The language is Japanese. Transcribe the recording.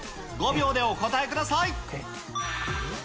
５秒でお答えください。